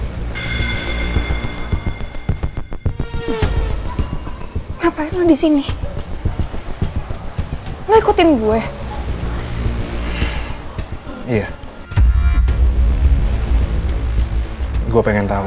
tapi terlihat tidak cukup dengan thirst kan benda itu